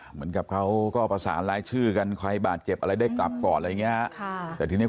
เหมือนกับเขาก็ประสานรายชื่อกันใครบาดเจ็บอะไรได้กลับก่อนอะไรอย่างนี้